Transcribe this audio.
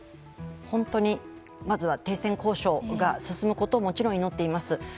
本当に、まずは停戦交渉が進むことをもちろん祈っています。